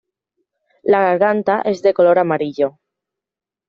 La garganta es de color amarillo.